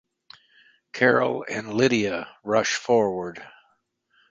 Carol and Lydia rush forward.